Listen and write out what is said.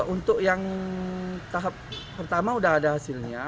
untuk yang tahap pertama sudah ada hasilnya